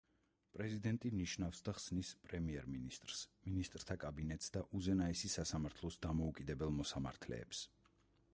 პრეზიდენტი ნიშნავს და ხსნის პრემიერ-მინისტრს, მინისტრთა კაბინეტს და უზენაესი სასამართლოს დამოუკიდებელ მოსამართლეებს.